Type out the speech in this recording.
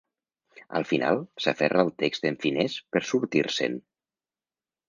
Al final, s'aferra al text en finès per sortir-se'n.